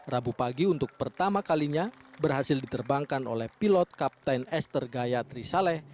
rabu pagi untuk pertama kalinya berhasil diterbangkan oleh pilot kapten esther gaya trisaleh